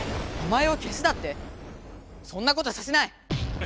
名前をけすだって⁉そんなことさせない！